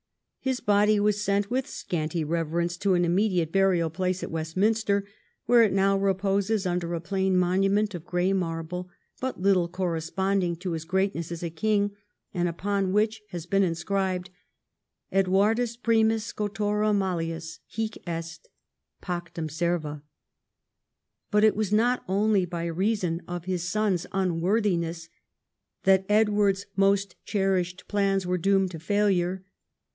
His body was sent with scanty reverence to an immediate burial place at Westminster, where it now reposes under a plain monument of gray marble, but little corresponding to his greatness as a king, and upon which has been inscribed — "Edwakdus Primus Scotokum IMalleus hic est. Pactum Serva." But it was not only by reason of his son's unworthiness that Edward's most cherished plans were doomed to failure.